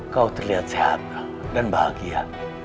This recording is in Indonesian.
kau terlihat sehat dan bahagia